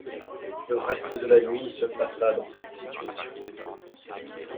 Le reste de la nuit se passa dans cette situation.